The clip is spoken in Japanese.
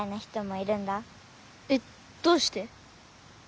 えっどうして？